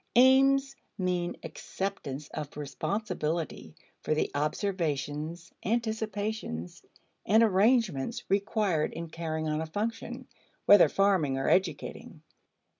Aims mean acceptance of responsibility for the observations, anticipations, and arrangements required in carrying on a function whether farming or educating.